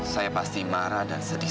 saya pasti marah dan sedih